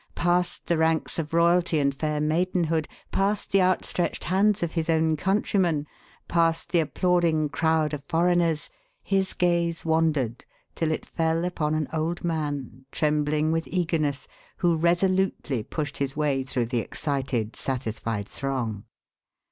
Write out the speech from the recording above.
Past the ranks of royalty and fair maidenhood, past the outstretched hands of his own countrymen, past the applauding crowd of foreigners, his gaze wandered till it fell upon an old man trembling with eagerness, who resolutely pushed his way through the excited, satisfied throng.